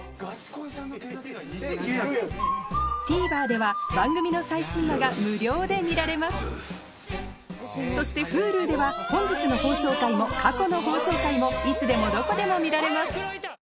ＴＶｅｒでは番組の最新話が無料で見られますそしてＨｕｌｕでは本日の放送回も過去の放送回もいつでもどこでも見られます